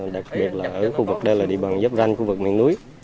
đặc biệt là ở khu vực đây là địa bàn giáp ranh khu vực miền núi